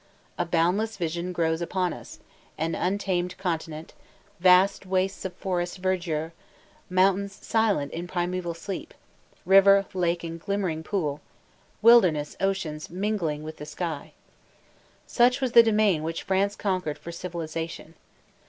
A boundless vision grows upon us; an untamed continent; vast wastes of forest verdure; mountains silent in primeval sleep; river, lake, and glimmering pool; wilderness oceans mingling with the sky. Such was the domain which France conquered for Civilization.